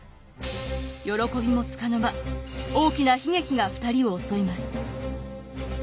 喜びもつかの間大きな悲劇が２人を襲います。